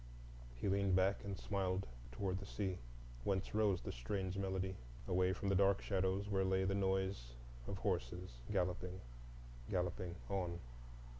He leaned back and smiled toward the sea, whence rose the strange melody, away from the dark shadows where lay the noise of horses galloping, galloping on.